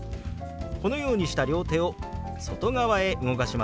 このようにした両手を外側へ動かしますよ。